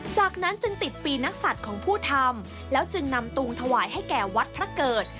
จากนั้นจึงติดปีนักศัตริย์ของผู้ทำแล้วจึงนำตุงถวายให้แก่วัดพระเกิด